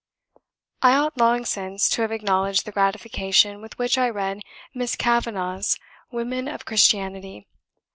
"I ought long since to have acknowledged the gratification with which I read Miss Kavanagh's 'Women of Christianity.'